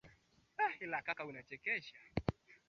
h akapata kura sitini na sita